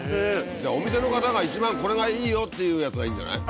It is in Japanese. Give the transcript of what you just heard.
じゃあお店の方がいちばんこれがいいよっていうやつがいいんじゃない？